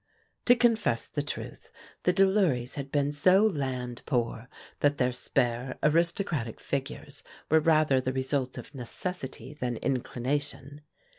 To confess the truth, the Delurys had been so land poor that their spare aristocratic figures were rather the result of necessity than inclination.